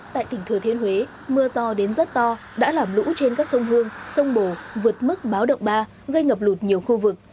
tại tỉnh thừa thiên huế mưa to đến rất to đã làm lũ trên các sông hương sông bồ vượt mức báo động ba gây ngập lụt nhiều khu vực